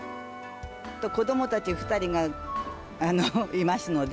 子どもたち２人がいますので、